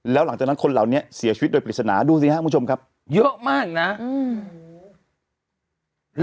แล้วหลังจากนั้นคนเหล่านี้เสียชีวิตโดยปริศนาดูสิครับคุณผู้ชมครับเยอะมากนะอืม